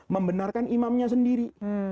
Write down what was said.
membenarkan imamnya sendiri